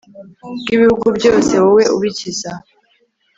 rw'ibihugu byose, wowe ubikiza